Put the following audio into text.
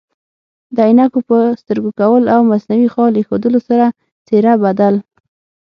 د عینکو په سترګو کول او مصنوعي خال ایښودلو سره څیره بدل